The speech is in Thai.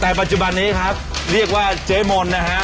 แต่ปัจจุบันนี้ครับเรียกว่าเจ๊มนต์นะฮะ